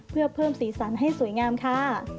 เพื่อเพิ่มสีสันให้สวยงามค่ะ